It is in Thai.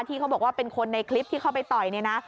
ที่เขาบอกว่าเป็นคนในคลิปที่เข้าไปต่อยเนี่ยนะ